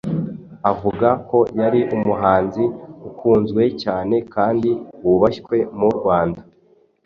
avuga ko yari umuhanzi ukunzwe cyane kandi wubashywe mu Rwanda.